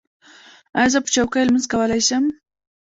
ایا زه په چوکۍ لمونځ کولی شم؟